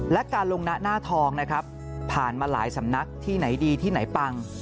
และการลงหน้าหน้าทองนะครับผ่านมาหลายสำนักที่ไหนดีที่ไหนปัง